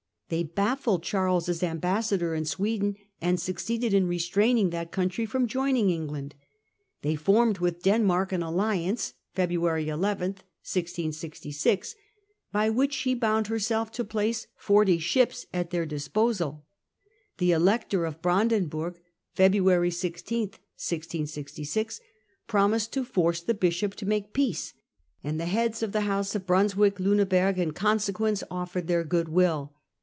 1666, spring. They baffled Charles's ambassador in Sweden, and succeeded in restraining that country from joining England; they formed with Denmark an alliance (Feb ruary II, 1666), by which she bound herself to place forty ships at their disposal ; the Elector of Brandenburg (February 16, 1666) promised to force the Bishop to make peace, and the heads of the House of Brunswick Liineburg in consequence offered their goodwill.